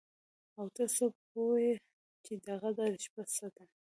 او ته څه پوه يې چې د قدر شپه څه ده؟